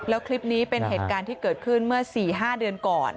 แล้วคลิปนี้เป็นเหตุการณ์ที่เกิดขึ้นเมื่อ๔๕เดือนก่อน